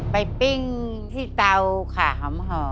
ไปปิ้งที่เตาขาหอม